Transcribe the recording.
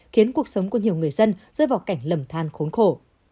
khiến cuộc sống của nhiều người dân rơi vào cảnh lầm than khốn khổ